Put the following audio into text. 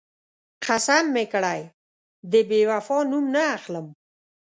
قسم مې کړی، د بېوفا نوم نه اخلم.